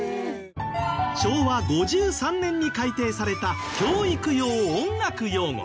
昭和５３年に改定された教育用音楽用語。